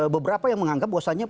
beberapa yang menganggap bosannya